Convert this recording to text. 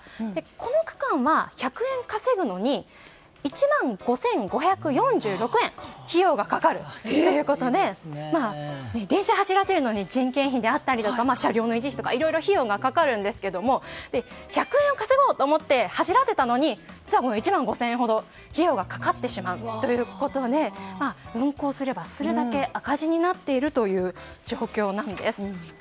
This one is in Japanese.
この区間は１００円稼ぐのに１万５５４６円費用が掛かるということで電車を走らせるのに人件費、車両の維持費などいろいろ費用がかかるんですが１００円を稼ごうと思って走らせたのに１万５０００円ほどかかってしまうということで運行すればするほど赤字になる状況なんです。